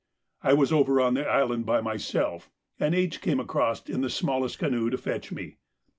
I was over on the island by myself, and H. came across in the smallest canoe to fetch me.